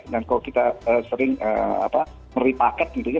dan kalau kita sering meripaket gitu ya